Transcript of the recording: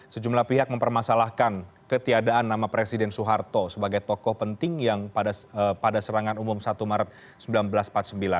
sejumlah pihak mempermasalahkan ketiadaan nama presiden soeharto sebagai tokoh penting yang pada serangan umum satu maret seribu sembilan ratus empat puluh sembilan